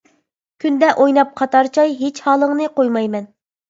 كۈندە ئويناپ قاتار چاي، ھېچ ھالىڭنى قويمايمەن.